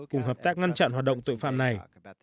cùng hợp tác ngăn chặn hoạt động tội phạm này